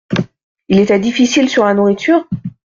Il était difficile sur la nourriture ?